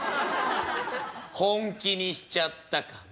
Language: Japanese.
本気にしちゃったかな？」。